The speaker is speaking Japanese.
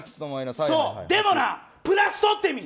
でもな、プラスとってみ！